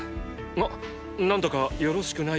あっなんだかよろしくない香りが。